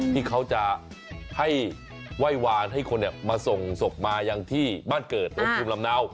ที่เขาจะให้ไหว้วานให้คนมาส่งศพมายังที่บ้านเกิดของภูมิลำเนา